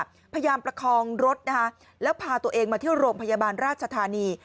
พยายามประคองรถนะคะแล้วพาตัวเองมาเที่ยวโรงพยาบาลราชธานี